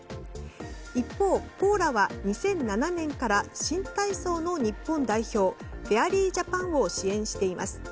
一方、ポーラは２００７年から新体操の日本代表フェアリージャパンを支援しています。